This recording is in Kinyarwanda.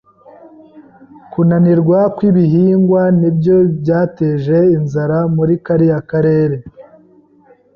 Kunanirwa kw'ibihingwa nibyo byateje inzara muri kariya karere.